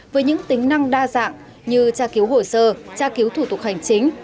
với những tính năng đa dạng như tra cứu hồ sơ tra cứu thủ tục hành chính